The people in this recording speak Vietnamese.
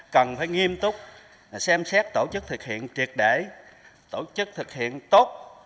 cần phải nghiêm túc xem xét tổ chức thực hiện triệt để tổ chức thực hiện tốt